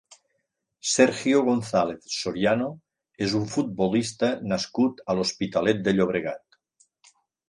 Sergio González Soriano és un futbolista nascut a l'Hospitalet de Llobregat.